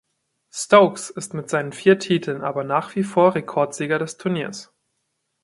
Stokes ist mit seinen vier Titeln aber nach wie vor Rekordsieger des Turnieres.